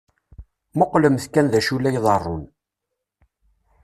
Muqlemt kan d acu i la iḍeṛṛun.